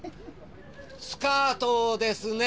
スカートをですね！